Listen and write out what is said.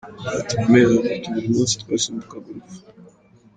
Ati “Mu mezi atatu buri munsi twasimbukaga urupfu.